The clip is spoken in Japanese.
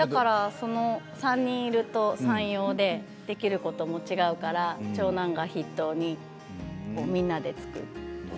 ３人いると三様でできることも違うから長男を筆頭にみんなで作る。